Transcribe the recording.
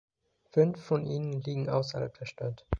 Fünf von ihnen liegen außerhalb der Stadt.